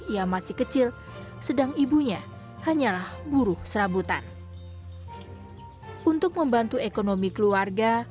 ia masih kecil sedang ibunya hanyalah buruh serabutan untuk membantu ekonomi keluarga